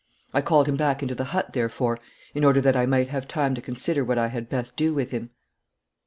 I called him back into the hut, therefore, in order that I might have time to consider what I had best do with him.'